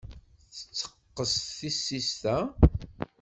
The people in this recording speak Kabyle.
Tetteqqes tissist-a?